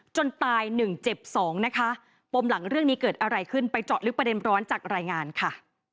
จนตายหนึ่งเจ็บสองนะคะปมหลังเรื่องนี้เกิดอะไรขึ้นไปเจาะลึกประเด็นร้อนจากรายงานค่ะ